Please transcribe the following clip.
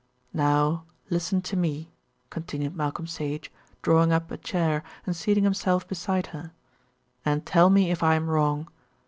"Now listen to me," continued Malcolm Sage, drawing up a chair and seating himself beside her, "and tell me if I am wrong.